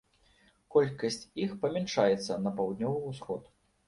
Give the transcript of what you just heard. Колькасць іх памяншаецца на паўднёвы ўсход.